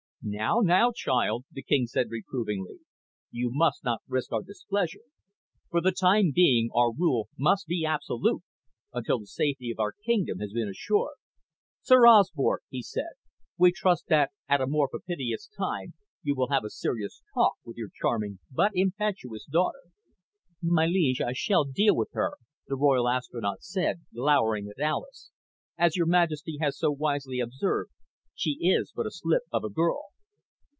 "Now, now, child," the king said reprovingly. "You must not risk our displeasure. For the time being our rule must be absolute until the safety of our kingdom has been assured. Sir Osbert," he said, "we trust that at a more propitious time you will have a serious talk with your charming but impetuous daughter." "My liege, I shall deal with her," the Royal Astronaut said, glowering at Alis. "As Your Majesty has so wisely observed, she is but a slip of a girl."